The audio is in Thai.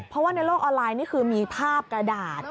เพราะว่าในโลกออนไลน์นี่คือมีภาพกระดาษ